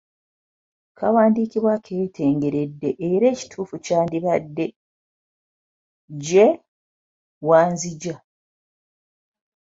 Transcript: Kawandiikibwa keetengeredde era ekituufu kyandibadde 'gye wanzigya'.